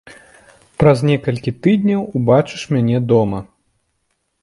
Праз некалькі тыдняў убачыш мяне дома.